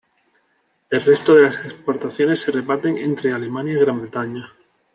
El resto de las exportaciones se reparten entre Alemania y Gran Bretaña.